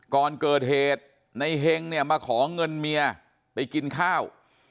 ก่อนเกิดเหตุในเฮงเนี่ยมาขอเงินเมียไปกินข้าว